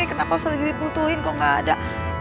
kenapa selagi diputuhin kok gak ada